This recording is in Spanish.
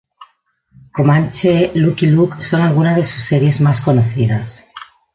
Comanche, Lucky Luke, son algunas de sus series más conocidas.